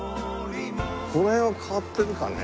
この辺は変わってるかね。